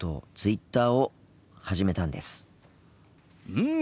うん。